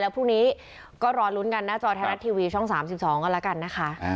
แล้วพรุ่งนี้ก็รอลุ้นกันนะจอแท้รัฐทีวีช่อง๓๒กันละกันนะคะ